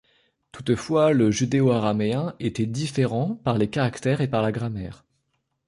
Toutefois, le judéo-araméen était différent par les caractères et par la grammaire.